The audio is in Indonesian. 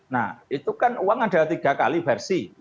nah itu kan uang ada tiga kali versi